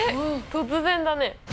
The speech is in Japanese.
突然だね。